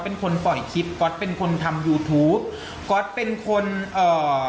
เป็นคนปล่อยเป็นคนทำเป็นคนเอ่อ